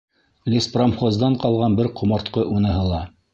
Леспромхоздан ҡалған бер ҡомартҡы уныһы ла.